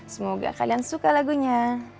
semoga kalian suka lagunya